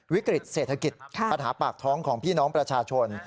วิกฤตเศรษฐกิจปัญหาปากท้องของพี่น้องประชาชน